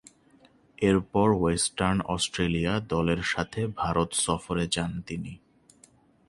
এরপর Western Australia দলের সাথে ভারত সফরে যান তিনি।